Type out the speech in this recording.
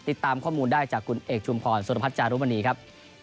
ติดตามข้อมูลได้จากคุณเอกชุมพรสุรพัฒน์จารุมณีครับ